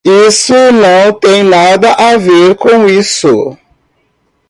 Isso não tem nada a ver com isso!